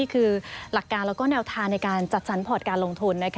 คือหลักการแล้วก็แนวทางในการจัดสรรพอร์ตการลงทุน